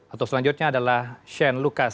atau selanjutnya adalah shane lucas